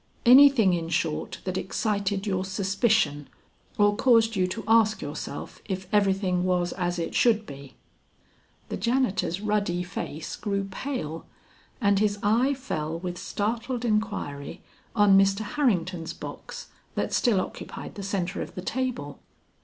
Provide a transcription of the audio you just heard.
anything in short, that excited your suspicion or caused you to ask yourself if everything was as it should be?" The janitor's ruddy face grew pale, and his eye fell with startled inquiry on Mr. Harrington's box that still occupied the centre of the table.